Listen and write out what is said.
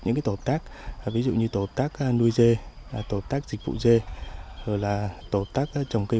những tổ hợp tác ví dụ như tổ hợp tác nuôi dê tổ hợp tác dịch vụ dê tổ hợp tác trồng cây